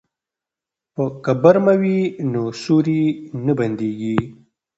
که برمه وي نو سوري نه بنديږي.